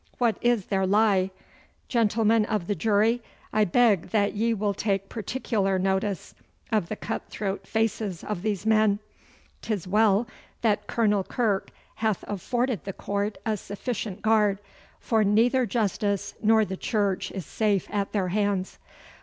What is their lie? Gentlemen of the jury, I beg that ye will take particular notice of the cut throat faces of these men. 'Tis well that Colonel Kirke hath afforded the Court a sufficient guard, for neither justice nor the Church is safe at their hands.